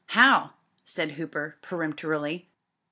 "How?" said Hooper peremptorily.